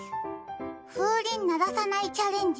風船鳴らさないチャレンジ